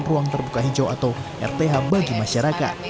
ruang terbuka hijau atau rth bagi masyarakat